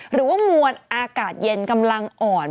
หรือว่ามวลอากาศเย็นกำลังอ่อน